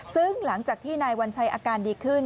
ซึ่งหลังจากที่นายวัญชัยอาการดีขึ้น